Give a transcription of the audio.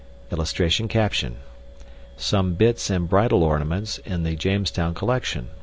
[Illustration: SOME BITS AND BRIDLE ORNAMENTS IN THE JAMESTOWN COLLECTION.